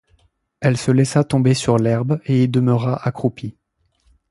Elle se laissa tomber sur l'herbe et y demeura accroupie.